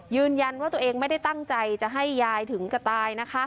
ยืนยันว่าตัวเองไม่ได้ตั้งใจจะให้ยายถึงกระตายนะคะ